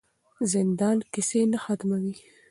زندان کیسې نه ختموي.